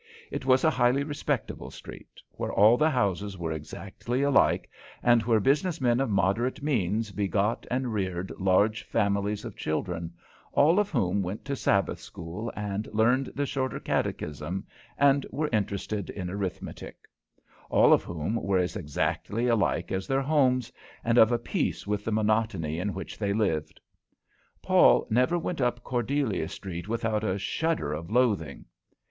It was a highly respectable street, where all the houses were exactly alike, and where business men of moderate means begot and reared large families of children, all of whom went to Sabbath school and learned the shorter catechism, and were interested in arithmetic; all of whom were as exactly alike as their homes, and of a piece with the monotony in which they lived. Paul never went up Cordelia Street without a shudder of loathing.